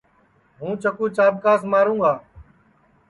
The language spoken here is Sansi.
ہوں چکُو چاٻکاس ماروں گا